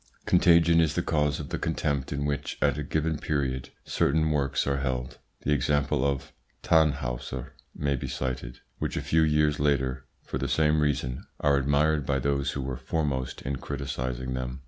Contagion is the cause of the contempt in which, at a given period, certain works are held the example of "Tannhauser" may be cited which, a few years later, for the same reason are admired by those who were foremost in criticising them.